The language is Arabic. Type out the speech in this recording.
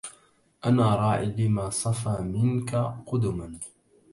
أنا راع لما صفا منك قدما